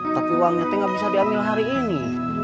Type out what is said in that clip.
tapi uangnya itu nggak bisa diambil hari ini